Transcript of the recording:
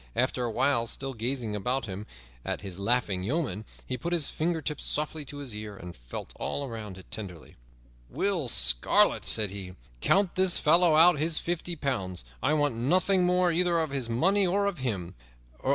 After a while, still gazing about him at his laughing yeomen, he put his fingertips softly to his ear and felt all around it tenderly. "Will Scarlet," said he, "count this fellow out his fifty pounds; I want nothing more either of his money or of him.